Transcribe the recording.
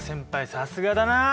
さすがだな。